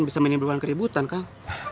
bisa mainin berulang keributan kan